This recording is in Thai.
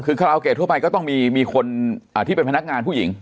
คือคาราโอเกะทั่วไปก็ต้องมีคนที่เป็นพนักงานผู้หญิง